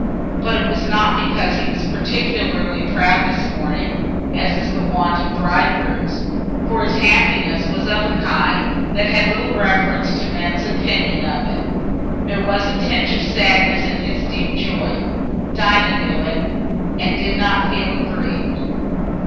But it was not because he was particularly proud this morning, as is the wont of bridegrooms, for his happiness was of a kind that had little reference to men's opinion of it. There was a tinge of sadness in his deep joy; Dinah knew it, and did not feel aggrieved.